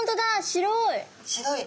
白い。